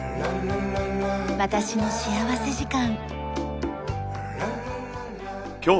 『私の幸福時間』。